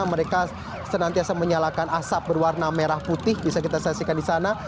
mereka senantiasa menyalakan asap berwarna merah putih bisa kita saksikan di sana